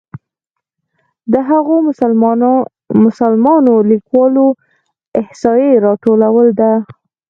د هغو مسلمانو لیکوالو احصایې راټولول ده.